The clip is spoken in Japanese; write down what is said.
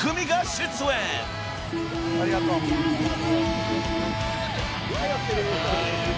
・ありがとうございます。